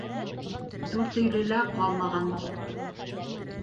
Дүртөйлөлә ҡалмаған.